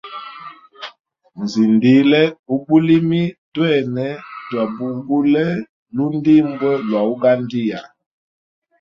Nzindile ubulimi, twene twabugule lundimbwe lwa ugandia.